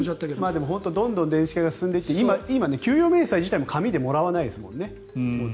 でも本当にどんどん電子化が進んでいって今、給与明細も紙でもらわないですもんね。